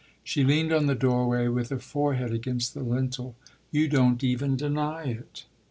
She leaned on the doorway with her forehead against the lintel. "You don't even deny it."